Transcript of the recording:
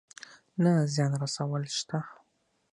نه زيان رسول شته.